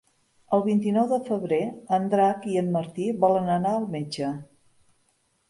El vint-i-nou de febrer en Drac i en Martí volen anar al metge.